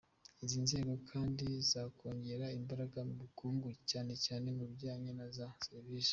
Izi nzego kandi zakongera imbaraga mu bukungu cyane cyane mu bijyanye na za serivisi.”